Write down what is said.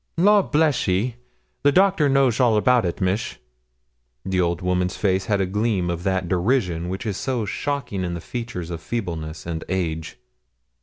'Law bless ye, the doctor knows all about it, miss.' The old woman's face had a gleam of that derision which is so shocking in the features of feebleness and age.